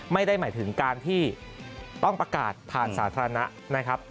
ไม่ได้หมายถึงการที่ต้องประกาศผ่านสาธารณะนะครับ